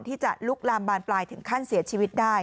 ที่จะลุกลามบานปลายถึงขั้นเสียชีวิตได้